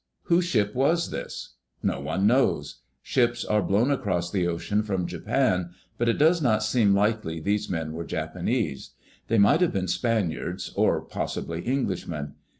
Whose ship was this? No one knows. Ships were blown across the ocean from Japan, but it does not seem likely these men were Japanese. They might have been Spaniards, or possibly Englishmen.